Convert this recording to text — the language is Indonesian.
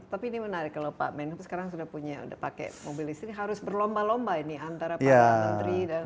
tapi ini menarik kalau pak menhub sekarang sudah punya sudah pakai mobil listrik harus berlomba lomba ini antara pak menteri dan